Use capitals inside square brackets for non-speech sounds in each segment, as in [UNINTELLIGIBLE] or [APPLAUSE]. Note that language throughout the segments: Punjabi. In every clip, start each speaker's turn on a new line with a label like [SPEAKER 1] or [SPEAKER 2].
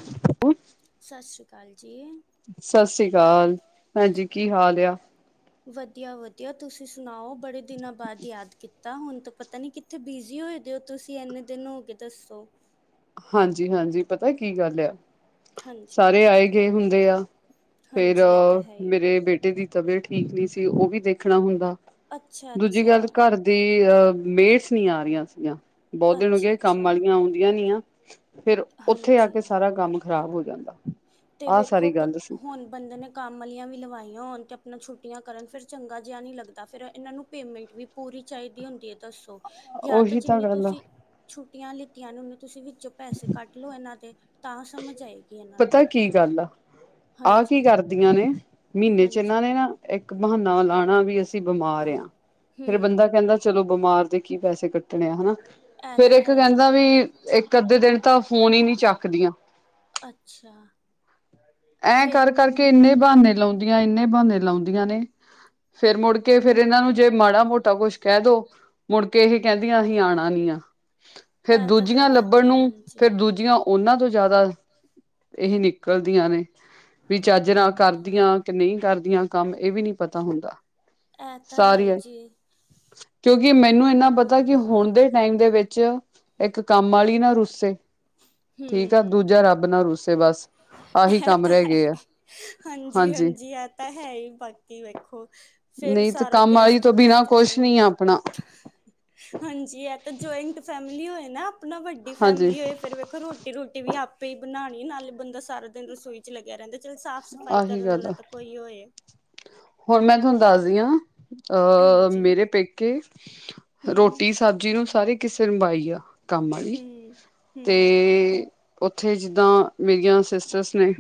[SPEAKER 1] [INAUDIBLE]
[SPEAKER 2] ਸਤ ਸ੍ਰੀ ਅਕਾਲ ਜੀ।
[SPEAKER 1] ਸਤ ਸ੍ਰੀ ਅਕਾਲ, ਹਾਂਜੀ ਕੀ ਹਾਲ ਆ।
[SPEAKER 2] ਵਧੀਆ- ਵਧੀਆ ਤੁਸੀਂ ਸੁਣਾਓ ਬੜੇ ਦਿਨਾਂ ਬਾਅਦ ਯਾਦ ਕੀਤਾ। ਹੁਣ ਤਾਂ ਪਤਾ ਨੀ ਕੀ - ਥੇ ਬਿਜ਼ੀ ਹੋਏ ਦੇ ਓ, ਤੁਸੀਂ ਐਨੇ ਦਿਨ ਹੋ ਗੇ ਦੱਸੋ।
[SPEAKER 1] ਹਾਂਜੀ- ਹਾਂਜੀ ਪਤਾ ਕੀ ਗੱਲ ਆ।
[SPEAKER 2] ਹਾਂਜੀ
[SPEAKER 1] ਸਾਰੇ ਆਏ ਗਏ ਹੁੰਦੇ ਆ। ਫੇਰ
[SPEAKER 2] ਹਾਂਜੀ ਇਹ ਤਾਂ ਹੈ ਹੀ
[SPEAKER 1] ਮੇਰੇ ਬੇਟੇ ਦੀ- ਤਬੀਅਤ ਠੀਕ ਨੀ ਸੀ। ਓ ਵੀ ਦੇਖਣਾ ਹੁੰਦਾ।
[SPEAKER 2] ਅੱਛਾ
[SPEAKER 1] ਦੂਜੀ
[SPEAKER 2] ਅੱਛਾ
[SPEAKER 1] ਗੱਲ ਘਰ- ਤੇ ਅਹ ਮੇਟਸ ਨੀ ਆ ਰਹੀਆਂ ਸੀਆਂ। ਬੋ ਦਿਨ ਹੋ
[SPEAKER 2] ਅੱਛਾ
[SPEAKER 1] ਗਏ ਕੰਮ
[SPEAKER 2] ਅੱਛਾ
[SPEAKER 1] ਵਾਲੀਆਂ ਆਉਂਦੀਆਂ ਨੀ ਆ। ਫੇਰ, ਓਥੇ ਆ ਕੇ
[SPEAKER 2] ਹਾਂਜੀ
[SPEAKER 1] ਸਾਰਾ ਕੰਮ ਖ਼ਰਾਬ ਹੋ ਜਾਂਦਾ।
[SPEAKER 2] ਤੇ
[SPEAKER 1] ਆਹ
[SPEAKER 2] ਵੇਖੋ
[SPEAKER 1] ਸਾਰੀ
[SPEAKER 2] ਕ
[SPEAKER 1] ਗੱਲ ਸੀ
[SPEAKER 2] ਹੁਣ- ਬੰਦੇ ਨੇ ਕੰਮ ਅਲੀਆਂ ਵੀ ਲਵਾਈਆਂ ਹੋਣ, ਤੇ ਆਪਣਾ ਛੁੱਟੀਆਂ ਕਰਨ, ਫੇਰ ਚੰਗਾ ਜਿਆ ਨੀ ਲੱਗਦਾ। ਫੇਰ ਏਨਾਂ ਨੂੰ ਪੇਮੈਂਟ ਵੀ- ਪੂਰੀ ਚਾਈਦੀ ਹੁੰਦੀ ਏ, ਦੱਸੋ। ਜਾਂ ਤੇ
[SPEAKER 1] ਉਹੀ ਤਾਂ
[SPEAKER 2] ਜਿੰਨੀ
[SPEAKER 1] ਗੱਲ ਆ
[SPEAKER 2] ਤੁਸੀਂ ਛੁੱਟੀਆਂ ਲਿੱਤੀਆਂ ਨੇ ਓਨੇ ਤੁਸੀਂ ਵਿੱਚੋਂ ਪੈਸੇ ਕੱਟ ਲਓ ਏਨਾਂ ਦੇ, ਤਾਂ ਸਮਝ ਆਏਗੀ ਏਨਾਂ ਨੂੰ।
[SPEAKER 1] ਠੀਕ ਗੱਲ ਆ, ਆ ਕੀ
[SPEAKER 2] ਹਾਂਜੀ
[SPEAKER 1] ਕਰਦੀਆਂ ਨੇ, ਮੀਨੇ 'ਚ
[SPEAKER 2] ਹਾਂਜੀ
[SPEAKER 1] ਏਨਾਂ ਨੇ ਨਾ- ਇੱਕ ਬਹਾਨਾ ਲਾਣਾ ਵੀ, ਅਸੀਂ ਬਮਾਰ ਆਂ। ਫੇਰ ਬੰਦਾ
[SPEAKER 2] ਹੂੰ
[SPEAKER 1] ਕੈਂਦਾ- ਚਲੋ, ਬਮਾਰ ਦੇ ਕੀ ਪੈਸੇ ਕੱਟਣੇ ਆ, ਹਨਾ।
[SPEAKER 2] ਇਹ
[SPEAKER 1] ਫੇਰ
[SPEAKER 2] ਤਾਂ
[SPEAKER 1] ਇੱਕ
[SPEAKER 2] ਹੈ ਹੀ
[SPEAKER 1] ਕੈਂਦਾ ਵੀ, ਇੱਕ ਅੱਧੇ ਦਿਨ ਤਾਂ ਫੋਨ ਈ ਨੀ ਚੱਕਦੀਆਂ।
[SPEAKER 2] ਅੱਛਾ।
[SPEAKER 1] ਐਂ
[SPEAKER 2] ਫਿਰ
[SPEAKER 1] ਕਰ ਕਰਕੇ ਇੰਨੇ ਬਹਾਨੇ ਲਾਉਂਦੀਆਂ, ਇੰਨੇ ਬਹਾਨੇ ਲਾਉਂਦੀਆਂ ਨੇ ਫੇਰ ਮੁੜ ਕੇ ਫੇਰ ਇਹਨਾਂ ਨੂੰ, ਜੇ ਮਾੜਾ ਮੋਟਾ ਕੁਛ ਕਹਿ ਦੋ ਮੁੜ ਕੇ ਇਹ ਕਹਿੰਦੀਆਂ ਅਸੀਂ ਆਉਣਾ ਨੀ ਆ, ਫੇਰ
[SPEAKER 2] ਇਹ ਤਾਂ
[SPEAKER 1] ਦੂਜੀਆਂ
[SPEAKER 2] ਗਲਤ
[SPEAKER 1] ਲੱਭਣ
[SPEAKER 2] ਹੈ
[SPEAKER 1] ਨੂੰ
[SPEAKER 2] ਹਾਂਜੀ
[SPEAKER 1] ਫੇਰ ਦੂਜੀਆਂ ਉਹਨਾਂ ਤੋਂ ਜ਼ਿਆਦਾ ਇਹ ਨਿਕਲਦੀਆਂ ਨੇ, ਵੀ ਚੱਜ ਨਾਲ ਕਰਦੀਆਂ ਨਹੀਂ ਕਰਦੀਆਂ ਕੰਮ, ਇਹ ਵੀ ਨਹੀਂ ਪਤਾ ਹੁੰਦਾ।
[SPEAKER 2] ਇਹ ਤਾਂ ਹੈ
[SPEAKER 1] ਸਾਰੀ,
[SPEAKER 2] ਹੀ ਜੀ
[SPEAKER 1] ਕਿਉਂਕਿ ਮੈਨੂੰ ਇੰਨਾ ਪਤਾ ਕਿ ਹੁਣ ਦੇ ਟਾਈਮ ਦੇ ਵਿੱਚ, ਇੱਕ ਕੰਮ ਵਾਲੀ ਨਾ ਰੁੱਸੇ ਠੀਕ ਆ,
[SPEAKER 2] ਹੂੰ
[SPEAKER 1] ਦੂਜਾ ਰੱਬ ਨਾ ਰੂਸੇ ਬਸ, ਆਹੀ
[SPEAKER 2] ਇਹ
[SPEAKER 1] ਕੰਮ ਰਹਿ ਗਏ ਆ
[SPEAKER 2] ਹਾਂਜੀ, ਹਾਂਜੀ ਆਹ ਤਾਂ ਹੈ ਹੀ ਬਾਕੀ ਵੇਖੋ ਫੇਰ
[SPEAKER 1] ਨਹੀਂ ਤੇ
[SPEAKER 2] ਸਾਰਾ,
[SPEAKER 1] ਕੰਮ ਵਾਲੀ
[SPEAKER 2] ਗੈਸਟ
[SPEAKER 1] ਤੋਂ ਬਿਨਾਂ
[SPEAKER 2] ਗੁਸਟ ਆਏ
[SPEAKER 1] ਕੁਛ ਨੀ
[SPEAKER 2] ਹੁਣ
[SPEAKER 1] ਆ ਆਪਣਾ
[SPEAKER 2] ਹਾਂਜੀ ਇਹ ਤਾਂ ਜੁਆਇੰਟ ਫੈਮਿਲੀ ਹੋਏ ਨਾ, ਆਪਣਾ ਵੱਡੀ
[SPEAKER 1] ਹਾਂਜੀ
[SPEAKER 2] ਫੈਮਿਲੀ ਹੋਏ ਫਿਰ ਰੋਟੀ-ਰੂਟੀ ਵੀ ਆਪੇ ਹੀ ਬਣਾਉਣੀ, ਨਾਲੇ ਬੰਦਾ ਸਾਰਾ ਦਿਨ ਰਸੋਈ ਲੱਗਿਆ ਰਹਿੰਦਾ, ਚਲ ਸਾਫ਼ ਸਫ਼ਾਈ
[SPEAKER 1] ਆਹੀ
[SPEAKER 2] ਕਰਨ
[SPEAKER 1] ਗੱਲ
[SPEAKER 2] ਵਾਲਾ
[SPEAKER 1] ਆ
[SPEAKER 2] ਤਾਂ ਕੋਈ ਹੋਏ।
[SPEAKER 1] ਹੁਣ ਮੈਂ ਤੁਹਾਨੂੰ ਦੱਸਦੀ ਹਾਂ, ਅਹ
[SPEAKER 2] ਹਾਂਜੀ
[SPEAKER 1] ਮੇਰੇ ਪੇਕੇ
[SPEAKER 2] ਹੂੰ
[SPEAKER 1] ਰੋਟੀ ਆਪ ਜੀ ਨੂੰ, ਸਾਰੇ ਕਿਸੇ ਨੂੰ ਬਾਈ ਆ ਕੰਮ ਵਾਲੀ।
[SPEAKER 2] ਹੂੰ, ਹੂੰ,
[SPEAKER 1] ਤੇ ਉੱਥੇ ਜਿੱਦਾਂ, ਮੇਰੀਆਂ ਸਿਸਟਰਸ ਨੇ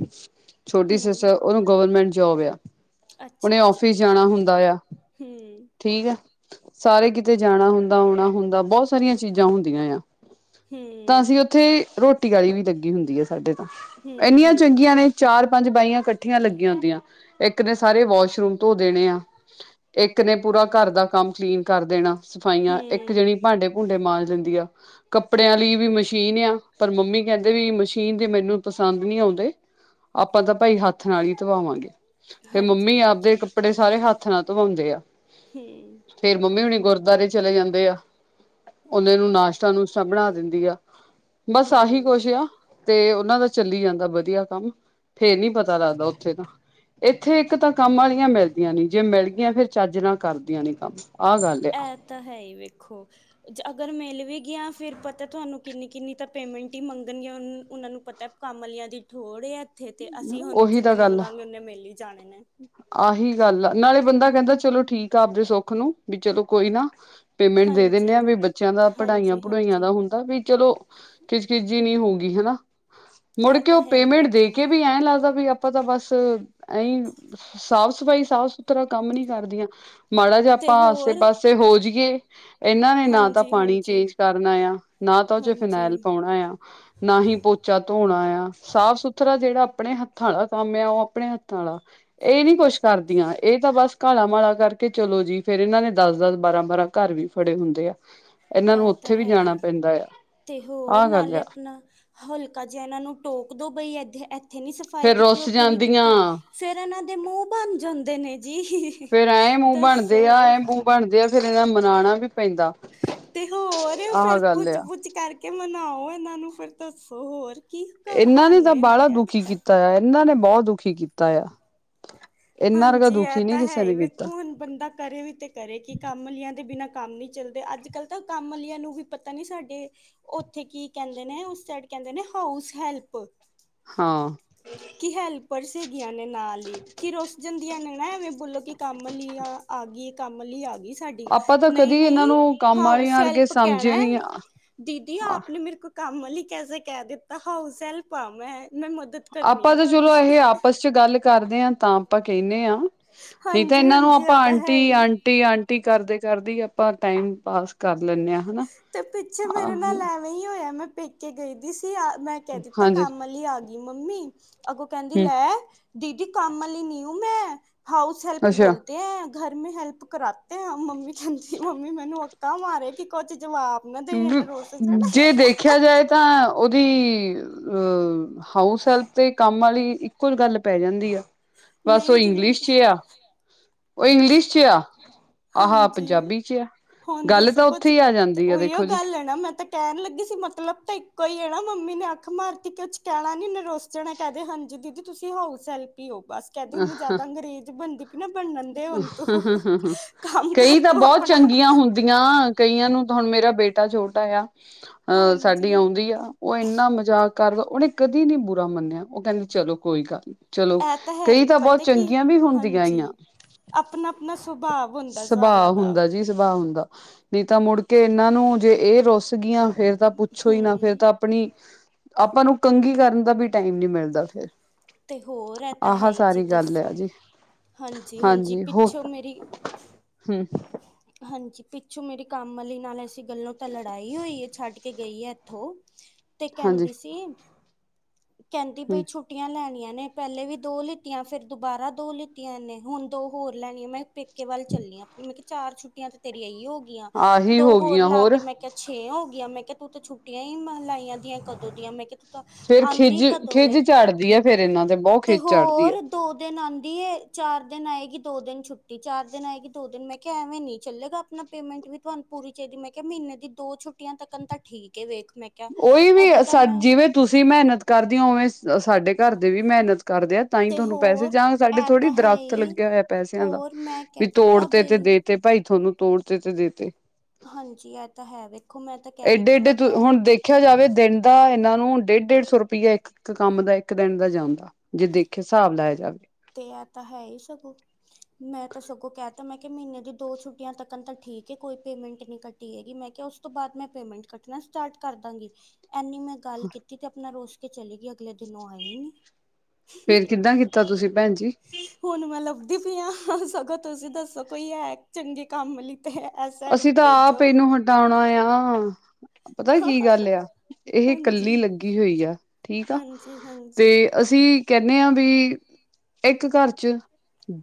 [SPEAKER 1] ਛੋਟੀ
[SPEAKER 2] ਹੂੰ।
[SPEAKER 1] ਸਿਸਟਰ, ਉਹਨੂੰ ਗਵਰਮੈਂਟ ਜੋਬ ਆ।
[SPEAKER 2] ਅੱਛਾ
[SPEAKER 1] ਉਹਨੇ
[SPEAKER 2] ਅੱਛਾ,
[SPEAKER 1] ਆਫਿਸ ਜਾਣਾ ਹੁੰਦਾ ਆ
[SPEAKER 2] ਹਮ।
[SPEAKER 1] ਠੀਕ ਹੈ, ਸਾਰੇ ਕਿਤੇ ਜਾਣਾ ਹੁੰਦਾ, ਆਣਾ ਹੁੰਦਾ, ਬਹੁਤ ਸਾਰੀਆਂ ਚੀਜ਼ਾਂ ਹੁੰਦੀਆਂ ਆ। ਤਾਂ
[SPEAKER 2] ਹੂੰ,
[SPEAKER 1] ਅਸੀਂ ਉੱਥੇ, ਰੋਟੀ ਵਾਲੀ ਵੀ ਲੱਗੀ ਹੁੰਦੀ ਹੈ ਸਾਡੇ ਤਾਂ,
[SPEAKER 2] ਹੂੰ,
[SPEAKER 1] ਇੰਨੀਆਂ
[SPEAKER 2] ਹੂੰ।
[SPEAKER 1] ਚੰਗੀਆਂ ਨੇ ਚਾਰ ਪੰਜ ਬਾਈਆਂ ਇਕੱਠੀਆਂ ਲੱਗੀਆਂ ਹੁੰਦੀਆਂ, ਇੱਕ ਨੇ ਸਾਰੇ ਵਾਸ਼ਰੂਮ ਧੋ ਦੇਣੇ ਆ ਇੱਕ ਨੇ ਪੂਰਾ ਘਰ ਦਾ ਕੰਮ ਕਲੀਨ ਕਰ ਦੇਣਾ ਸਫਾਈਆਂ, ਇੱਕ
[SPEAKER 2] ਹੂੰ।
[SPEAKER 1] ਜਣੀ ਭਾਂਡੇ ਭੂੰਡੇ ਮਾਂਜ ਲੈਂਦੀ ਆ, ਕੱਪੜਿਆਂ ਲਈ ਵੀ ਮਸ਼ੀਨ ਆ, ਪਰ ਮੰਮੀ ਕਹਿੰਦੇ ਵੀ ਮਸ਼ੀਨ ਤੇ ਮੈਨੂੰ ਪਸੰਦ ਨਹੀਂ ਆਉਂਦੇ ਆਪਾਂ ਤਾਂ ਭਾਈ, ਹੱਥ ਨਾਲ ਹੀ ਧਵਾਵਾਂਗੇ। ਤੇ
[SPEAKER 2] ਹਾਂਜੀ,
[SPEAKER 1] ਮੰਮੀ ਆਪਦੇ
[SPEAKER 2] ਹਾਂਜੀ।
[SPEAKER 1] ਕੱਪੜੇ, ਸਾਰੇ ਹੱਥ ਨਾਲ ਧਵਾਉਂਦੇ ਆ।
[SPEAKER 2] ਹਮ।
[SPEAKER 1] ਫੇਰ ਮੰਮੀ ਹੁਣੀ ਗੁਰਦੁਆਰੇ ਚਲੇ ਜਾਂਦੇ ਆ, ਆਉਂਦਿਆਂ ਨੂੰ ਨਾਸ਼ਤਾ- ਨੂਸ਼ਤਾ ਬਣਾ ਦਿੰਦੀ ਆ। ਬਸ ਆਹੀ
[SPEAKER 2] ਹੂੰ।
[SPEAKER 1] ਕੁਛ ਆ, ਤੇ ਉਹਨਾਂ ਦਾ ਚੱਲੀ ਜਾਂਦਾ ਵਧੀਆ ਕੰਮ। ਫੇਰ ਨੀ ਪਤਾ ਲੱਗਦਾ ਉੱਥੇ ਤਾਂ, ਇੱਥੇ ਇੱਕ ਤਾਂ ਕੰਮ ਵਾਲੀਆਂ ਮਿਲਦੀਆਂ ਨੀ। ਜੇ ਮਿਲ ਗਈਆਂ, ਫਿਰ ਚੱਜ ਨਾਲ ਕਰਦੀਆਂ ਨੀ ਕੰਮ, ਆਹ ਗੱਲ ਆ।
[SPEAKER 2] ਇਹ ਤਾਂ ਹੈ ਹੀ ਵੇਖੋ। ਅਗਰ ਮਿਲ ਵੀ ਗਿਆ, ਫਿਰ ਪਤਾ ਤੁਹਾਨੂੰ ਕਿੰਨੀ- ਕਿੰਨੀ ਤਾਂ ਪੇਮੈਂਟ ਹੀ ਮੰਗਣਗੀਆਂ, ਉਹਨਾਂ ਨੂੰ ਪਤਾ ਕੰਮ ਵਲੀਆਂ ਦੀ ਥੋੜ ਹੈ ਇੱਥੇ, ਤੇ ਅਸੀਂ ਹੁਣੂੰ
[SPEAKER 1] ਉਹੀ ਤਾਂ
[SPEAKER 2] ਜਿੰਨੇ
[SPEAKER 1] ਗੱਲ ਆ
[SPEAKER 2] ਮੰਗਾਂਗੇ ਓਨੇ ਮਿਲ ਹੀ ਜਾਣੇ ਨੇ।
[SPEAKER 1] ਆਹੀ ਗੱਲ ਆ, ਨਾਲੇ ਬੰਦਾ ਕਹਿੰਦਾ ਚਲੋ ਠੀਕ ਆ ਆਪਦੇ ਸੁੱਖ ਨੂੰ, ਵੀ ਚਲੋ ਕੋਈ ਨਾ। ਪੇਮੈਂਟ ਦੇ ਦਿੰਨੇ ਆ
[SPEAKER 2] ਹਾਂਜੀ,
[SPEAKER 1] ਵੀ ਬੱਚਿਆਂ ਦਾ ਪੜ੍ਹਾਈਆਂ
[SPEAKER 2] ਹਾਂਜੀ,
[SPEAKER 1] ਪੜੂਈਆਂ
[SPEAKER 2] ਹਾਂਜੀ
[SPEAKER 1] ਦਾ ਹੁਣ। ਵੀ ਚਲੋ ਖਿੱਚ ਖਿੱਚ ਜੀ ਨੀ ਹੋਊਗੀ ਹਨਾ।
[SPEAKER 2] ਇਹ
[SPEAKER 1] ਮੁੜਕੇ
[SPEAKER 2] ਤਾਂ
[SPEAKER 1] ਉਹ
[SPEAKER 2] ਹੈ ਹੀ
[SPEAKER 1] ਪੇਮੈਂਟ ਦੇ
[SPEAKER 2] ਵੇਖੋ
[SPEAKER 1] ਕੇ ਵੀ ਐਂ ਲੱਗਦਾ ਵੀ ਆਪਾਂ ਤਾਂ ਬਸ ਐਈ। ਸਾਫ਼ ਸਫ਼ਾਈ, ਸਾਫ਼-ਸੁਥਰਾ ਕੰਮ ਨੀ ਕਰਦੀਆਂ ਮਾੜਾ ਜਾ
[SPEAKER 2] ਤੇ
[SPEAKER 1] ਆਪਾਂ ਆਸੇ
[SPEAKER 2] ਹੋਰ
[SPEAKER 1] ਪਾਸੇ। ਤੇ ਹੋ ਜੀ ਏ। ਇਹਨਾਂ ਨੇ ਨਾ ਤਾਂ
[SPEAKER 2] ਹਾਂਜੀ,
[SPEAKER 1] ਪਾਣੀ
[SPEAKER 2] ਹਾਂਜੀ,
[SPEAKER 1] ਚੇਂਜ ਕਰਨਾ ਆ, ਨਾ ਤਾਂ ਓ ਚ
[SPEAKER 2] ਹਾਂਜੀ
[SPEAKER 1] ਫਰਨੈਲ ਪਾਉਣਾ ਆ। ਨਾ ਹੀ ਪੋਚਾ ਧੋਣਾ ਆ ਸਾਫ ਸੁਥਰਾ ਜਿਹੜਾ ਆਪਣੇ ਹੱਥਾਂ ਆਲਾ ਕੰਮ ਆ ਓ ਆਪਣੇ ਹੱਥਾਂ ਆਲਾ। ਇਹ ਨੀ ਕੁੱਛ ਕਰਦੀਆਂ ਇਹ ਤਾਂ ਬਸ ਘਾਲਾਂ ਮਾਲਾ ਕਰਕੇ ਚਲੋ ਜੀ ਫੇਰ ਇਹਨਾਂ ਨੇ ਦੱਸ ਦਸ, ਬਾਰਾਂ, ਬਾਰਾਂ। ਘਰ ਵੀ ਫੜੇ ਹੁੰਦੇ ਆ। ਇਹਨਾਂ ਨੂੰ
[SPEAKER 2] ਇਹ ਤਾਂ
[SPEAKER 1] ਉੱਥੇ ਵੀ ਜਾਣਾ
[SPEAKER 2] ਹੈਈ
[SPEAKER 1] ਪੈਂਦਾ ਆ
[SPEAKER 2] ਤੇ ਹੋਰ
[SPEAKER 1] ਆਹ ਗੱਲ
[SPEAKER 2] ਨਾਲੇ
[SPEAKER 1] ਆ
[SPEAKER 2] ਆਪਣਾ। ਹਲਕਾ ਜਾ ਇਹਨਾਂ ਨੂੰ ਟੋਕ ਦੋ ਬਈ ਇ ਇੱਥੇ ਨੀ ਸਫ਼ਾਈ
[SPEAKER 1] ਫੇਰ
[SPEAKER 2] ਕੀਤੀ
[SPEAKER 1] ਰੁੱਸ
[SPEAKER 2] ਉੱਥੇ ਨੀ ਕੀਤੀ।
[SPEAKER 1] ਜਾਂਦੀਆਂ
[SPEAKER 2] ਫੇਰ ਇਹਨਾਂ ਦੇ ਮੂੰਹ ਬਣ ਜਾਂਦੇ ਨੇ ਜੀ।
[SPEAKER 1] ਫੇਰ ਐਂ ਮੂੰਹ ਬਣਦੇ ਆ
[SPEAKER 2] ਦੱਸੋ
[SPEAKER 1] ਐ ਮੂੰਹ ਬਣਦੇ ਆ ਫੇਰ ਇਹਨਾ ਨੂੰ ਮਨਾਣਾ ਵੀ ਪੈਂਦਾ।
[SPEAKER 2] ਤੇ ਹੋਰ
[SPEAKER 1] ਆਹ
[SPEAKER 2] ਫੇਰ
[SPEAKER 1] ਗੱਲ
[SPEAKER 2] ਪੁੱਚ
[SPEAKER 1] ਆ
[SPEAKER 2] ਪੁੱਚ ਕਰਕੇ ਮਨਾਓ ਇਹਨਾਂ ਨੂੰ ਫਿਰ ਦੱਸੋ ਹੋਰ। ਕੀ
[SPEAKER 1] ਇਹਨਾਂ ਨੇ,
[SPEAKER 2] ਹਾਲ
[SPEAKER 1] ਤਾਂ
[SPEAKER 2] ਇਹਨਾਂ
[SPEAKER 1] ਵਾਲਾ
[SPEAKER 2] ਦੇ
[SPEAKER 1] ਦੁਖੀ
[SPEAKER 2] ਅੱਜ-ਕੱਲ੍ਹ
[SPEAKER 1] ਕੀਤਾ ਆ, ਇਹਨਾਂ ਨੇ ਬੋ ਦੁੱਖੀ ਕੀਤਾ ਆ। ਇਹਨਾਂ ਵਰਗਾ
[SPEAKER 2] ਹਾਂਜੀ, ਐ
[SPEAKER 1] ਦੁਖੀ
[SPEAKER 2] ਤੇ
[SPEAKER 1] ਨੀ ਕਿਸੇ
[SPEAKER 2] ਹੈਈ
[SPEAKER 1] ਨੇ ਕੀਤਾ
[SPEAKER 2] ਵੇਖੋ ਹੁਣ। ਬੰਦਾ ਕਰੇ ਵੀ ਤਾਂ ਕਰੇ ਕਿ ਕੰਮ ਆਲੀਆਂ ਦੇ ਬਿਨਾਂ ਕੰਮ ਨੀ ਚੱਲਦੇ, ਅੱਜ-ਕੱਲ੍ਹ ਤਾਂ ਕੰਮ ਆਲੀਆਂ ਨੂੰ ਵੀ ਪਤਾ ਨੇ ਸਾਡੇ। ਉੱਥੇ ਕੀ ਕਹਿੰਦੇ ਨੇ? ਉਸ ਸਾਈਡ ਕਹਿੰਦੇ ਨੇ, ਹਾਊਸ ਹੈਲਪ।
[SPEAKER 1] ਹਾਂ।
[SPEAKER 2] ਕੀ ਹੈਲਪਰਸ ਹੈਗੀਆਂ ਨੇ ਨਾਲ ਈ? ਕਿ ਰਸ ਜਾਂਦੀਆਂ ਨੇ ਨਾ ਐਵੇਂ ਬੋਲੋ, ਕਿ ਕੰਮ ਲਈ ਆ ਆ ਗੀ, ਕੰਮ ਲਈ ਆ ਗੀ। ਸਾਡੀ
[SPEAKER 1] ਆਪਾਂ ਤਾਂ
[SPEAKER 2] ਨਈ
[SPEAKER 1] ਕਦੀ
[SPEAKER 2] ਨਈ
[SPEAKER 1] ਇਹਨਾਂ ਨੂੰ ਕੰਮ
[SPEAKER 2] ਹਾਊਸ
[SPEAKER 1] ਵਾਲੀਆਂ ਵਰਗੇ
[SPEAKER 2] ਸੈਲਪ ਕਹਿਣਾ,
[SPEAKER 1] ਸਮਝੇ ਨੀ
[SPEAKER 2] ਦੀਦੀ ਆਪ ਨੇ ਮੇਰੇ ਕੋ ਕੰਮ ਆਲੀ ਕੈਸੇ ਕਹਿ ਦਿੱਤਾ? ਹਾਊਸ ਹੈਲਪ ਆ ਮੈਂ ਮੈਂ ਮਦਦ ਕਰਨੀ
[SPEAKER 1] ਆਪਾਂ
[SPEAKER 2] ਆ
[SPEAKER 1] ਤਾਂ
[SPEAKER 2] ਤੁਹਾਡੀ
[SPEAKER 1] ਚਲੋ, ਇਹ ਆਪਸ ਚ ਗੱਲ ਕਰਦੇ ਆ। ਤਾਂ ਆਪਾਂ ਕਹਿਣੇ ਆ। ਨਹੀਂ ਤਾਂ
[SPEAKER 2] ਹਾਂਜੀ
[SPEAKER 1] ਇਹਨਾਂ ਨੂੰ
[SPEAKER 2] ਹਾਂਜੀ ਇਹ
[SPEAKER 1] ਆਪਾਂ
[SPEAKER 2] ਤਾਂ
[SPEAKER 1] ਆਂਟੀ,
[SPEAKER 2] ਹੈ ਹੀ
[SPEAKER 1] ਆਂਟੀ, ਆਂਟੀ, ਕਰਦੇ-ਕਰਦੇ ਆਪਾਂ ਟਾਈਮ ਪਾਸ ਕਰ ਲੈਣੇ।
[SPEAKER 2] ਤੇ ਪਿੱਛੇ ਮੇਰੇ ਨਾਲ ਹੋਇਆ, ਮੈਂ ਪੇਕੇ ਗਈ ਦੀ ਸੀ ਮੈਂ ਕਹਿ ਦਿੱਤਾ
[SPEAKER 1] ਹਾਂਜੀ
[SPEAKER 2] ਕੰਮ ਆਲੀ ਆ ਗੀ ਮੰਮੀ। ਅੱਗੋਂ ਕਹਿੰਦੀ
[SPEAKER 1] ਹਮ
[SPEAKER 2] ਲੈ ਦੀਦੀ ਕੰਮ ਆਲੀ ਨੀ ਹੁਤ ਮੈਂ ਹਾਊਸ ਹੈਲਪ
[SPEAKER 1] ਅੱਛਾ
[SPEAKER 2] ਬੋਲਦੇ ਐ। ਗਰ ਮੇ ਹੈਲਪ ਕਰਾਤੇ ਆ ਮੰਮੀ ਕਹਿੰਦੀ ਮੰਮੀ ਮੈਨੂੰ ਹੱਕਾਂ ਮਾਰੇ, ਕਿ ਕੁੱਝ ਜਵਾਬ
[SPEAKER 1] ਜੇ ਦੇਖਿਆ ਜਾਏ ਤਾਂ ਉਹਦੀ, ਅਹ ਹਾਊਸ ਹੈਲਪ ਤੇ ਕੰਮ ਆਲੀ, ਇੱਕੋ ਗੱਲ ਪੈ ਜਾਂਦੀ ਆ, ਬਸ ਉਹ ਇੰਗਲਿਸ਼ ਚ ਆ। ਓ ਇੰਗਲਿਸ਼ ਚ ਆ, ਆ ਹਾਂ
[SPEAKER 2] ਹਾਂਜੀ
[SPEAKER 1] ਪੰਜਾਬੀ ਚ ਆ। ਗੱਲ ਤਾਂ ਉੱਥੇ ਈ ਆ ਜਾਂਦੀ ਆ। ਦੇਖੋ ਜੀ।
[SPEAKER 2] ਕੈਣਾ ਮੈਂ ਤਾਂ ਕਹਿਣ ਲੱਗੀ ਸੀ, ਮਤਲਬ ਤਾਂ ਇੱਕੋ ਈ ਐ ਨਾ? ਮੰਮੀ ਨੇ ਅੱਖ ਮਾਰਤੀ ਕੁਛ ਕਹਿਣਾ ਨੀ ਏਨੇ ਰੁੱਸ। ਸਗੋ ਕਹਿੰਦੇ ਹਾਂਜੀ, ਦੀਦੀ ਤੁਸੀਂ ਹਾਊਸ ਹੈਲਪ ਈ ਓ ਬਸ। ਕਹਿੰਦੀ, ਉਹਨੂੰ ਜਿਆਦਾ ਅੰਗਰੇਜ਼ ਬਣਦੀ ਪਈ ਨਾ, ਬਣਨ ਦੇ ਤੂੰ
[SPEAKER 1] ਹੂੰ ਹੂੰ ਹੂੰ ਹੂੰ,
[SPEAKER 2] ਕੰਮ
[SPEAKER 1] ਕਈ
[SPEAKER 2] ਕਰ
[SPEAKER 1] ਤਾਂ
[SPEAKER 2] ਤੂੰ
[SPEAKER 1] ਬਹੁਤ
[SPEAKER 2] ਆਪਣਾ
[SPEAKER 1] ਚੰਗੀਆਂ, ਦੀਆਂ ਕਈਆਂ ਨੂੰ ਤਾਂ ਹੁਣ ਮੇਰਾ ਬੇਟਾ ਛੋਟਾ ਆ। ਅਹ,
[SPEAKER 2] ਹਾਂਜੀ
[SPEAKER 1] ਸਾਡੀ ਆਉਂਦੀ ਆ। ਉਹ ਇੰਨਾ ਮਜ਼ਾਕ ਕਰ ਉਹਨੇ ਕਦੀ ਨੀ ਬੁਰਾ ਮੰਨਿਆ, ਉਹ ਕਹਿੰਦੀ ਚਲੋ ਕੋਈ ਗੱਲ ਨੀ। ਚਲੋ,
[SPEAKER 2] ਇਹ ਹੈ
[SPEAKER 1] ਕਈ
[SPEAKER 2] ਹੀ
[SPEAKER 1] ਤਾਂ ਬਹੁਤ
[SPEAKER 2] ਪਤਾ ਕੀ
[SPEAKER 1] ਚੰਗੀਆਂ ਵੀ ਹੁੰਦੀਆਂ
[SPEAKER 2] ਹਾਂਜੀ
[SPEAKER 1] ਆਂ।
[SPEAKER 2] ਆਪਣਾ ਆਪਣਾ ਸੁਭਾਵ
[SPEAKER 1] ਸੁਭਾਅ ਹੁੰਦਾ ਜੀ ਸੁਭਾਅ ਹੁੰਦਾ, ਨਹੀਂ ਤਾਂ ਮੁੜ ਕੇ ਇਹਨਾਂ ਨੂ ਜੇ ਏ ਰੁਸ ਗਈਆਂ? ਫੇਰ ਤਾਂ ਪੁੱਛੋ ਈ ਨਾ, ਫੇਰ
[SPEAKER 2] ਹੂੰ
[SPEAKER 1] ਤਾਂ ਆਪਣੀ ਆਪਾਂ ਨੂੰ, ਕੰਘੀ ਕਰਨ ਦਾ ਵੀ ਟਾਈਮ ਨਹੀਂ ਮਿਲਦਾ ਫੇਰ।
[SPEAKER 2] ਤੇ ਹੋਰ ਹੈ ਤਾਂ ਹੈ
[SPEAKER 1] ਆਹ
[SPEAKER 2] ਹੀ ਜੀ।
[SPEAKER 1] ਸਾਰੀ ਗੱਲ ਆ
[SPEAKER 2] ਦੱਸੋ।
[SPEAKER 1] ਜੀ।
[SPEAKER 2] ਹਾਂਜੀ, ਹਾਂਜੀ। ਪਿੱਛੋਂ ਮੇਰੀ
[SPEAKER 1] ਹਮ।
[SPEAKER 2] ਹਾਂਜੀ। ਪਿੱਛੋਂ, ਮੇਰੀ ਕੰਮ ਵਾਲੀ ਨਾਲ ਐਸੀੇ ਗੱਲੋਂ ਤਾਂ ਲੜਾਈ ਹੋਈ ਹੈ, ਛੱਡ ਕੇ ਗਈ ਹੈ ਇੱਥੋਂ।
[SPEAKER 1] ਹ [INAUDIBLE]
[SPEAKER 2] ਤੇ ਕਹਿੰਦੀ ਸੀ, ਕਹਿੰਦੀ ਬਈ
[SPEAKER 1] ਹੂੰ
[SPEAKER 2] ਛੁੱ ਟਟੀਆਂ ਲੈਣੀਆਂ ਨੇ। ਪਹਿਲੇ ਵੀ ਦੋ ਲਿੱਤੀਆਂ, ਫੇਰ ਦੁਬਾਰਾ ਦੋ ਲਿੱਤੀਆਂ ਇਹਨੇ, ਹੁਣ ਦੋ ਹੋਰ ਲੈਣੀਆਂ। ਮੈਂ ਕਿਆ ਪੇ ਪੇਕੇ ਵੱਲ ਚੱਲਣੀ ਆ। ਮੈਂ ਕਿਹਾ, ਚਾਰ ਛੁੱਟੀਆਂ ਤੇ ਤੇਰੀ ਇਹੀ ਹੋ ਗਈਆਂ।
[SPEAKER 1] ਆਹੀ
[SPEAKER 2] ਦੋ
[SPEAKER 1] ਹੋ
[SPEAKER 2] ਹੋਰ
[SPEAKER 1] ਗਈਆਂ
[SPEAKER 2] ਲਾ ਕੇ ਮੈਂ ਮੈੰ ਕਿਹਾ, ਛੇ ਹੋ ਗਈਆਂ, ਮੈਂ ਕਿਹਾ, ਤੂੰ ਤਾਂ ਛੁੱਟੀਆਂ ਹੀ ਮਹਲਾਈਆਂ ਦੀਆਂ, ਕਦੋਂ ਦੀਆਂ, ਮੈਂ ਕਿਹਾ ਤੂੰ ਤਾਂ
[SPEAKER 1] ਫੇਰ
[SPEAKER 2] ਆਉਂਦੀ
[SPEAKER 1] ਖਿਜ-
[SPEAKER 2] ਕਦੋਂ ਏ
[SPEAKER 1] ਖਿੱਜ ਚੜਦੀ ਆ। ਫਿਰ ਇਹਨਾਂ ਤੇ ਬਹੁਤ ਖਿੱਜ ਚੜਦੀ ਆ।
[SPEAKER 2] ਦੋ ਦਿਨ ਆਂਦੀ ਏ, ਚਾਰ ਦਿਨ ਆਏਗੀ, ਦੋ ਦਿਨ ਛੁੱਟੀ। ਚਾਰ ਦਿਨ ਆਏਗੀ, ਦੋ ਦਿਨ। ਮੈਂ ਕਿਹਾ, ਐਵੇ ਨੀ ਚੱਲੇਗਾ। ਆਪਣਾ ਪੇਮੈਂਟ ਵੀ ਤੁਹਾਨੂੰ ਪੂਰੀ ਚਾਹੀਦੀ। ਮੈਂ ਕਿਹਾ, ਮਹੀਨੇ ਦੀ ਦੋ ਛੁੱਟੀਆਂ ਤੱਕਨ ਤਾਂ ਠੀਕ ਏ ਵੇਖ, ਮੈਂ ਕਿਹਾ
[SPEAKER 1] ਉਹੀ ਵੀ
[SPEAKER 2] ਇਹਦੀ ਤਾਂ
[SPEAKER 1] ਸਾ
[SPEAKER 2] ਮੈਂ
[SPEAKER 1] ਜਿਵੇਂ, ਤੁਸੀਂ ਮਿਹਨਤ ਕਰਦੇ ਹੋ, ਉਵੇਂ ਸਾਡੇ। ਘਰਦੇ ਵੀ ਮਿਹਨਤ ਕਰਦੇ ਆ। ਤਾਂਹੀ,
[SPEAKER 2] ਤੇ
[SPEAKER 1] ਤੁਹਾਨੂੰ ਪੈਸੇ
[SPEAKER 2] ਹੋਰ
[SPEAKER 1] ਜਾਂ ਸਾਡੇ
[SPEAKER 2] ਇਹ
[SPEAKER 1] ਥੋੜ੍ਹੀ
[SPEAKER 2] ਤਾਂ ਹੈ
[SPEAKER 1] ਦਰਖੱਤ
[SPEAKER 2] ਹੀ
[SPEAKER 1] ਲੱਗਿਆ ਹੋਇਆ, ਪੈਸਿਆਂ ਦਾ।
[SPEAKER 2] ਹੋਰ ਮੈਂ
[SPEAKER 1] ਵੀ
[SPEAKER 2] ਕਹਿ ਦਿੱਤਾ
[SPEAKER 1] ਤੋੜਤੇ ਤੇ
[SPEAKER 2] ਬਈ
[SPEAKER 1] ਦੇਤੇ, ਭਾਈ। ਤੁਹਾਨੂੰ ਤੋੜਤੇ ਤੇ ਦੇਤੇ।
[SPEAKER 2] ਹਾਂਜੀ, ਐਹ ਤਾਂ ਹੈ। ਵੇਖੋ, ਮੈਂ ਤਾਂ ਕਹਿ
[SPEAKER 1] ਏਡੇ
[SPEAKER 2] ਦਿੱਤਾ।
[SPEAKER 1] ਏਡੇ
[SPEAKER 2] ਮੈਂ ਕਿਹਾ
[SPEAKER 1] ਹੁਣ ਦੇਖਿਆ ਜਾਵੇ, ਦਿਨ ਦਾ ਇਹਨਾਂ ਨੂੰ ਡੇਢ -ਡੇਢ ਸੌ ਰੁਪਏ ਇੱਕ ਕੰਮ ਦਾ ਇੱਕ ਦਿਨ ਦਾ ਜਾਂਦਾ। ਜੇ ਦੇਖੇ, ਹਿਸਾਬ ਲਾਇਆ ਜਾਵੇ
[SPEAKER 2] ਤੇ ਐ ਤਾਂ ਹੈ ਹੀ, ਸਗੋਂ ਮੈਂ ਤਾਂ ਸਗੋਂ ਕਹਿਤਾ ਮੈਂ ਕਿਹਾ ਮਹੀਨੇ ਦੀ ਦੋ ਛੁੱਟੀਆਂ ਤਕਨ ਤਾਂ ਠੀਕ ਹੈ ਕੋਈ ਪੇਮੈਂਟ ਨੀ ਕੱਟ ਕਟਣੀ ਮੈਂ ਕਿਹਾ ਉਸ ਤੋਂ ਬਾਅਦ ਮੈਂ ਪੇਮੈਂਟ ਕੱਟਣਾ ਸਟਾਰਟ ਕਰ ਦਾਂਗੀ ਐਨੀ ਮੈਂ ਗੱਲ ਕੀਤੀ ਤੇ ਆਪਣਾ ਰੁਸ ਕੇ ਚਲੀ ਗਈ ਅਗਲੇ ਦਿਨ ਉਹ ਆਈ ਈ ਨੀ
[SPEAKER 1] ਫਿਰ ਕਿੱਦਾਂ ਕੀਤਾ ਤੁਸੀਂ ਭੈਣ ਜੀ।
[SPEAKER 2] ਹੁਣ ਮੈਂ ਲੱਭਦੀ ਪਈ ਆ ਸਗੋਂ ਤੁਸੀਂ ਦੱਸੋ ਕੋਈ ਹੈ ਚੰਗੇ ਕੰਮ ਵਾਲੀ ਤੇ ਐਸ
[SPEAKER 1] ਅਸੀਂ ਤਾਂ ਆਪ ਇਹਨੂੰ ਹਟਾਉਣਾ ਆ ਪਤਾ ਕੀ ਗੱਲ ਆ? ਇਹ ਕੱਲੀ
[SPEAKER 2] ਹਾਂਜੀ
[SPEAKER 1] ਲੱਗੀ ਹੋਈ ਆ। ਠੀਕ ਆ।
[SPEAKER 2] ਹਾਂਜੀ
[SPEAKER 1] ਤੇ
[SPEAKER 2] ਹਾਂਜੀ
[SPEAKER 1] ਅਸੀਂ ਕਹਿਨੇ ਆ ਵੀ ਇਕ ਘਰ 'ਚ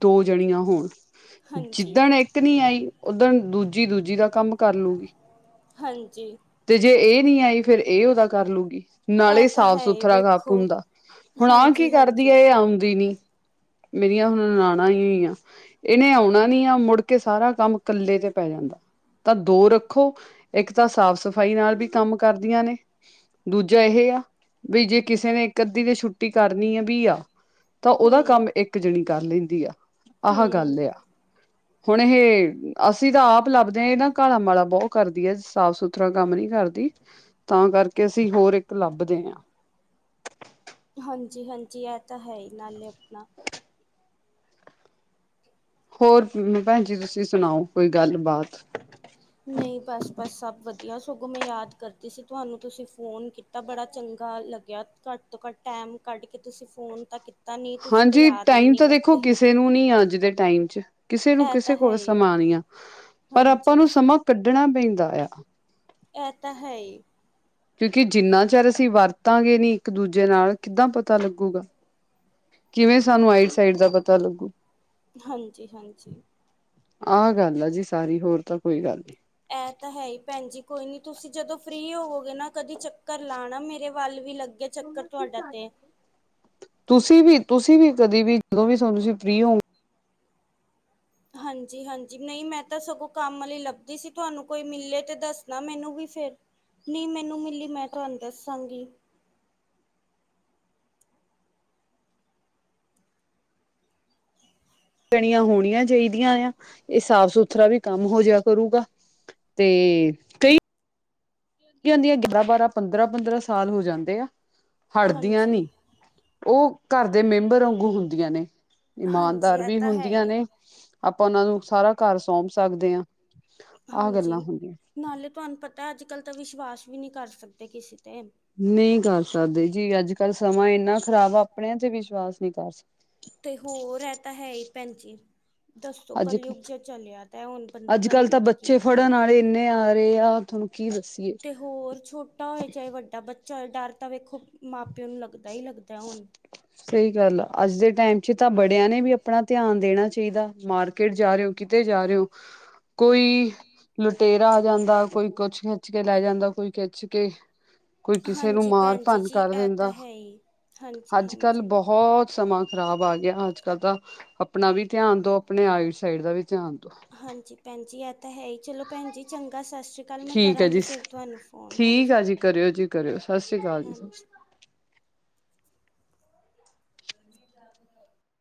[SPEAKER 1] ਦੋ ਜਣੀਆਂ ਹੋਣ,
[SPEAKER 2] ਹਾਂਜੀ
[SPEAKER 1] ਜਿੱਦਣ ਇਕ ਨੀ ਆਈ ਉੱਦਨ ਦੂਜੀ-ਦੂਜੀ ਦਾ ਕੰਮ ਕਰ ਲੂਗੀ
[SPEAKER 2] ਹਾਂਜੀ
[SPEAKER 1] ਤੇ ਜੇ ਇਹ ਨੀ ਆਈ ਫਿਰ ਇਹ ਉਹਦਾ ਕਰ ਲੂਗੀ। ਨਾਲੇ
[SPEAKER 2] ਇਹ ਤਾਂ
[SPEAKER 1] ਸਾਫ
[SPEAKER 2] ਹੈ ਹੀ
[SPEAKER 1] ਸੁਥਰਾ ਕਪ
[SPEAKER 2] ਵੇਖੋ
[SPEAKER 1] ਹੁੰਦਾ। ਹੁਣ ਆਹ ਕੀ
[SPEAKER 2] ਹਾਂਜੀ
[SPEAKER 1] ਕਰਦੀ
[SPEAKER 2] ਹਾਂਜੀ
[SPEAKER 1] ਏ, ਇਹ ਆਉਂਦੀ ਨੀ ਮੇਰੀਆਂ ਹੁਣ ਨਨਾਣਾਂ ਨੀ ਆ ਇਹਨੇ ਆਉਣਾ ਨੀ ਆ ਮੁੜ ਕੇ ਸਾਰਾ ਕੰਮ ਕੱਲੇ ਦੇ ਪੈ ਜਾਂਦਾ ਤਾਂ ਦੋ ਰੱਖੋ ਇਕ ਤਾਂ ਸਾਫ਼-ਸਫ਼ਾਈ ਨਾਲ ਵੀ ਕੰਮ ਕਰਦੀਆਂ ਨੇ ਦੂਜਾ ਇਹ ਆ ਬੀ ਜੇ ਕਿਸੀ ਨੇ ਇਕ ਅੱਧੀ ਨੇ ਛੁੱਟੀ ਕਰਨੀ ਵੀ ਆ ਤਾਂ ਉਹਦਾ
[SPEAKER 2] ਹੂੰ
[SPEAKER 1] ਕੰਮ ਇੱਕ ਜਣੀ ਕਰ ਲੈਂਦੀ ਆ, ਆਹਾ ਗੱਲ
[SPEAKER 2] ਹੂੰ
[SPEAKER 1] ਆ। ਹੁਣ ਇਹ ਅਸ ਅਸੀਂ ਤਾਂ ਆਪ ਲੱਭਦੇ ਏ ਨਾ ਕਾਲਾ-ਮਾਲਾ ਬਹੁਤ ਕਰਦੀ ਏ, ਸਾਫ਼ ਸੁਥਰਾ ਕੰਮ ਨੀ ਕਰਦੀ। ਤਾਂ ਕਰਕੇ, ਅਸੀਂ ਹੋਰ ਇੱਕ ਲੱਭਦੇ ਆ।
[SPEAKER 2] ਹਾਂਜੀ ਹਾਂਜੀ, ਐ ਤਾਂ ਹੈ ਹੀ ਨਾਲੇ ਆਪਨਾ
[SPEAKER 1] ਹੋਰ ਮ ਭੈਣ ਜੀ ਤੁਸੀਂ ਸੁਣਾਓ ਕੋਈ ਗੱਲਬਾਤ
[SPEAKER 2] ਨਹੀਂ ਬਸ-ਬਸ ਸਭ ਵਧੀਆ ਸਗੋਂ ਮੈਂ ਯਾਦ ਕਰਦੀ ਸੀ ਤੁਹਾਨੂੰ ਤੁਸੀਂ ਫ਼ੋਨ ਕੀਤ ਤਾ ਬੜਾ ਚੰਗਾ ਲੱਗਿਆ ਘੱਟ ਤੋਂ ਘੱਟ ਟੈਮ ਕੱਢ ਕੇ ਤੁਸੀਂ ਫੋਨ ਤਾਂ ਕੀਤ ਤਾਂ ਨੀ ਤੁਸੀਂ ਤੇ ਯਾਦ ਵੀ ਨੀ ਕਰਦੇ
[SPEAKER 1] ਹੁਣੀ ਆ ਅੱਜ ਦੇ ਟਾਈਮ 'ਚ ਕਿਸੇ ਨੂੰ
[SPEAKER 2] ਇਹ ਤਾਂ
[SPEAKER 1] ਕਿਸੇ
[SPEAKER 2] ਹੈ
[SPEAKER 1] ਕੋਲ
[SPEAKER 2] ਹੀ
[SPEAKER 1] ਸਮਾਂ ਨਈ ਆ ਪਰ ਆਪਾਂ
[SPEAKER 2] ਹਾਂਜੀ
[SPEAKER 1] ਨੂੰ ਸਮਾਂ ਕੱਢਣਾ ਪੈਂਦਾ ਆ
[SPEAKER 2] ਐਹ ਤਾਂ ਹੈ ਈ
[SPEAKER 1] ਕਿਉਂਕਿ ਜਿੰਨਾ ਚਿਰ ਅਸੀਂ ਵਰਤਾਂਗੇ ਨੀ ਇੱਕ ਦੂਜੇ ਨਾਲ ਕਿੱਦਾਂ ਪਤਾ ਲੱਗੂਗਾ ਕਿਵੇਂ ਸਾਨੂੰ ਆਈਡ ਸਾਈਡ ਦਾ ਪਤਾ ਲੱਗੂ
[SPEAKER 2] ਹਾਂਜੀ, ਹਾਂਜੀ
[SPEAKER 1] ਆਹ ਗੱਲ ਆ ਜੀ ਸਾਰੀ ਹੋਰ ਤਾਂ ਕੋਈ ਗੱਲ ਨੀ।
[SPEAKER 2] ਐਹ ਤਾਂ ਹੈ ਹੀ ਭੈਣ ਜੀ ਕੋਈ ਨੀ ਤੁਸੀਂ ਜਦੋਂ ਫਰੀ ਹੋਵੋਗੇ ਨਾ ਕਦੀ ਚੱਕਰ ਲਾਣਾ ਮੇਰੇ ਵੱਲ ਵੀ ਲੱਗੇ। ਚੱਕਰ ਤੁਹਾਡਾ ਤੇ
[SPEAKER 1] ਤੁਸੀਂ ਵੀ ਤੁਸੀਂ ਵੀ ਕਦੀ ਵੀ ਜਦੋਂ ਵੀ ਸਾਮ ਚ ਫਰੀ ਹੋਵੋ
[SPEAKER 2] ਹਾਂਜੀ, ਹਾਂਜੀ ਨਈ ਮੈਂ ਤਾਂ ਸਗੋਂ ਕੰਮ ਆਲੀ ਲੱਭਦੀ ਸੀ ਤੁਹਾਨੂੰ ਕੋਈ ਮਿਲੇ ਤੇ ਦੱਸਣਾ ਮੈਨੂੰ ਵੀ ਫੇਰ ਨਈ ਮੈਨੂੰ ਮਿਲੀ ਮੈਂ ਤੁਹਾਨੂੰ ਦੱਸਾਂਗੀ
[SPEAKER 1] ਕਣੀਆਂ ਹੋਣੀਆਂ ਚਾਹੀਦੀਆਂ ਏ ਆ ਇਹ ਸਾਫ਼ -ਸੁਥਰਾ ਵੀ ਕੰਮ ਹੋ ਜੇਆ ਕਰੂਗਾ। ਤੇ [UNINTELLIGIBLE] ਦੀਆ‌ ਗਿਆਰਾਂ ਬਾਰਾਂ, ਪੰਦਰਾਂ-ਪੰਦਰਾਂ ਸਾਲ ਹੋ ਜਾਂਦੇ ਆ ਹੜਦੀਆਂ
[SPEAKER 2] ਹਾਂਜੀ,
[SPEAKER 1] ਨੀ ਉਹ ਘਰ ਦੇ ਮੈਂਬਰ ਆਗੂ ਹੁੰਦੀਆਂ ਨੇ
[SPEAKER 2] ਹਾਂਜੀ
[SPEAKER 1] ਇਮਾਨਦਾਰ
[SPEAKER 2] ਇਹ
[SPEAKER 1] ਵੀ
[SPEAKER 2] ਤਾਂ ਹੈ
[SPEAKER 1] ਹੁੰਦੀਆਂ
[SPEAKER 2] ਹੀ
[SPEAKER 1] ਨੇ ਆਪਾਂ ਉਹਨਾਂ ਨੂੰ ਸਾਰਾ ਘਰ ਸੌਂਪ ਸਕਦੇ ਆ। ਆਹ
[SPEAKER 2] ਹਾਂਜੀ।
[SPEAKER 1] ਗੱਲਾਂ ਹੁੰਦੀਆਂ
[SPEAKER 2] ਨਾਲੇ ਤੁਹਾਨੂੰ ਪਤਾ ਅੱਜ ਕੱਲ ਤਾਂ ਵਿਸ਼ਵਾਸ ਵੀ ਨਈ ਕਰ ਸਕਦੇ ਕਿਸੇ ਤੇ
[SPEAKER 1] ਨਈ ਕਰ ਸਕਦੇ ਜੀ ਅੱਜ ਕੱਲ੍ਹ ਸਮਾਂ ਏਨਾ ਖ਼ਰਾਬ ਆ ਆਪਣਿਆਂ ਤੇ ਵਿਸ਼ਵਾਸ ਨੀਂ ਕਰ ਸਕ
[SPEAKER 2] ਤੇ ਹੋਰ ਐਹ ਤਾਂ ਹੈ ਹੀ ਭੈਣਜੀ ਦੱਸੋ
[SPEAKER 1] ਅੱਜ ਕ
[SPEAKER 2] ਕੱਲਯੁਗ ਜਿਹਾ ਚੱਲਿਆ ਤੈ ਹੁਣ ਬੰਦਾ
[SPEAKER 1] ਅੱਜ
[SPEAKER 2] ਕਰੇ
[SPEAKER 1] ਕੱਲ੍ਹ
[SPEAKER 2] ਵੀ
[SPEAKER 1] ਤਾਂ
[SPEAKER 2] ਤੇ ਕੀ
[SPEAKER 1] ਬੱਚੇ
[SPEAKER 2] ਕਰੇ।
[SPEAKER 1] ਫੜਨ ਆਲੇ ਇੰਨੇ ਆ ਰੇ ਆ ਥੋਨੂੰ ਕੀ ਦੱਸੀਏ
[SPEAKER 2] ਤੇ ਹੋਰ ਛੋਟਾ ਹੋਏ ਚਾਹੇ ਵੱਡਾ ਬੱਚਾ ਹੋਏ ਡਰ ਤਾਂ ਵੇਖੋ ਮ ਮਾਂ ਪਿਓ ਨੂੰ ਲੱਗਦਾ ਹੀ ਲੱਗਦਾ ਹੁਣ
[SPEAKER 1] ਸਹੀ ਗੱਲ ਆ ਅੱਜ ਦੇ ਟਾਈਮ ਚ ਤਾਂ ਬੜਿਆ ਨੇ ਵੀ ਆਪਣਾ ਧਿਆਨ ਦੇਣਾ ਚਾਹੀਦਾ ਮਾਰ ਕੀਟ ਜਾ ਰਹੇ ਹੋ ਕਿਤੇ ਜਾ ਰਹੇ ਹੋ ਕੋਈ ਲੁਟੇਰਾ ਆ ਜਾਂਦਾ ਕੋਈ ਕੁਛ ਖਿੱਚ ਕੇ ਲੈ ਜਾਂਦਾ ਕੋਈ ਖਿੱਚ ਕੇ ਕੋਈ ਕਿਸੇ ਨੂੰ
[SPEAKER 2] ਹਾਂਜੀ
[SPEAKER 1] ਮਾਰ
[SPEAKER 2] ਭੈਣ ਜੀ
[SPEAKER 1] ਭੰਨ
[SPEAKER 2] ਜੀ
[SPEAKER 1] ਕਰ
[SPEAKER 2] ਇਹ ਤਾਂ
[SPEAKER 1] ਦੇਂਦਾ
[SPEAKER 2] ਹੈ ਹੀ ਹਾਂਜੀ
[SPEAKER 1] ਅੱਜ ਕੱਲ
[SPEAKER 2] ਹਾਂਜੀ।
[SPEAKER 1] ਬਹੁਤ ਸਮਾਂ ਖ਼ਰਾਬ ਆ ਗਿਆ ਅੱਜ ਕੱਲ ਤਾਂ ਆਪਣਾ ਵੀ ਧਿਆਨ ਦੋ ਆਪਣੇ ਆਈਡ ਸਾਈਡ ਦਾ ਵੀ ਧਿਆਨ ਦੋ
[SPEAKER 2] ਹਾਂਜੀ ਭੈਣ ਜੀ ਐਹ ਤਾਂ ਹੈ ਹੀ ਚਲੋ ਭੈਣ ਜੀ ਚੰਗਾ ਸਤਿ ਸ਼੍ਰੀ ਕੱਲ ਮੈਂ
[SPEAKER 1] ਠੀਕ ਹੈ
[SPEAKER 2] ਕਰਾਂਗੀ
[SPEAKER 1] ਜੀ
[SPEAKER 2] ਫਿਰ ਤੁਹਾਨੂੰ ਫੋਨ
[SPEAKER 1] ਠੀਕ ਆ
[SPEAKER 2] ਹਾਂਜੀ,
[SPEAKER 1] ਜੀ ਕਰਿਓ ਜੀ ਕਰਿਓ ਸਤਿ ਸ੍ਰੀ ਅਕਾਲ ਜੀ।
[SPEAKER 2] ਹਾਂਜੀ [UNINTELLIGIBLE]